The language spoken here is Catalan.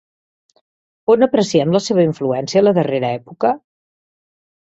On apreciem la seva influència a la darrera època?